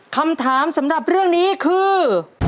คำถามสำหรับเรื่องนี้คือ